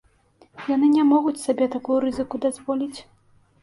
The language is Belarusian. Яны не могуць сабе такую рызыку дазволіць.